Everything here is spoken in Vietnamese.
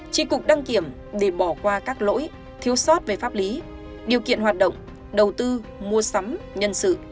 tri cục đăng kiểm để bỏ qua các lỗi thiếu sót về pháp lý điều kiện hoạt động đầu tư mua sắm nhân sự